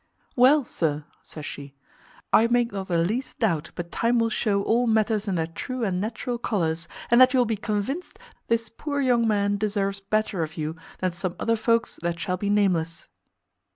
"Well, sir," says she, "I make not the least doubt but time will shew all matters in their true and natural colours, and that you will be convinced this poor young man deserves better of you than some other folks that shall be nameless."